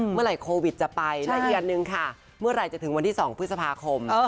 เมื่อไหร่โควิดจะไปละเอียดอันหนึ่งค่ะเมื่อไหร่จะถึงวันที่๒พฤษภาคม